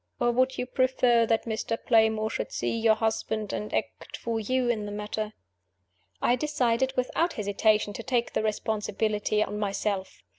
Or would you prefer that Mr. Playmore should see your husband, and act for you in the matter?" I decided, without hesitation, to take the responsibility on myself.